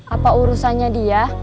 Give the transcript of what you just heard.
apa urusannya dia